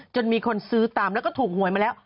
จนมีคนซื้อตามแล้วก็ถูกหวยมาแล้ว